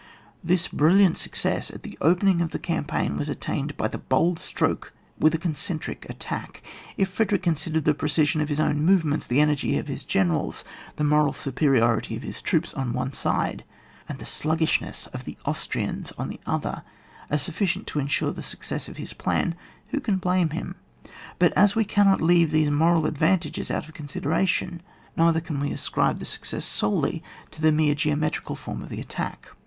This brilliant success at the opening of the campaign was attained by the bold stroke with a concentric attack. If Fre derick considered the precision of his own movements, the energy of his generals, the moral superiority of his troops, on the one side, and the sluggish ness of the Austrians on the other, as sufficient to ensure the success of his plan, who can blame him ? But as we cannot leave these moral advantages out of con sideration, neither can we ascribe the suc cess solely to the mere geometrical form of the attack.